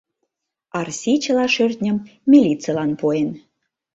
Арси чыла шӧртньым милицылан пуэн.